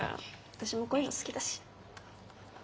私もこういうの好きだし。